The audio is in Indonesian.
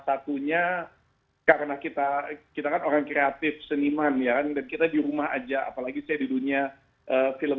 satunya karena kita kita kan orang kreatif seniman ya kan dan kita di rumah aja apalagi saya di dunia film